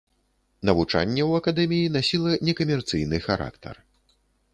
Навучанне ў акадэміі насіла некамерцыйны характар.